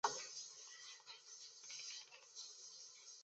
玫瑰琵鹭会在丛林或树上筑巢。